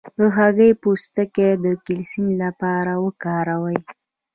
د هګۍ پوستکی د کلسیم لپاره وکاروئ